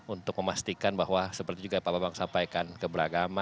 untuk memastikan bahwa seperti juga pak bambang sampaikan keberagaman